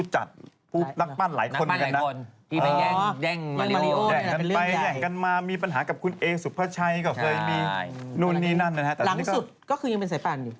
แห่งกันมามีปัญหากับคุณเอสุภาชัยกับเฟย์นี้นั่น๓๘๒๐๐๐๐๐คือยังเป็นใสปั่น